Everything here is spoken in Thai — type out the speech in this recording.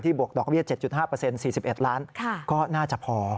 ที่บวกดอกเบี้ย๗๕เปอร์เซ็นต์๔๑ล้านก็น่าจะพอ